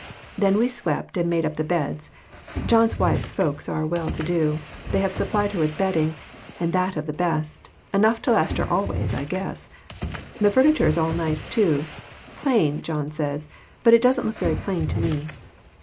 Then we swept and made up the beds. John's wife's folks are well to do. They have supplied her with bedding and that of the best, enough to last her always, I guess. The furni ture is all nice, too "plain," John says, but it doesn't look very plain to me.